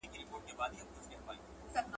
د یوه ناول نیمګړتیا هم یاده شوې ده.